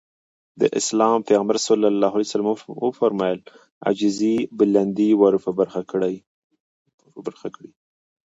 د اسلام پيغمبر ص وفرمايل عاجزي بلندي ورپه برخه کړي.